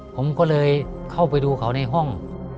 ผมก็เลยเข้าไปดูเขาในห้อง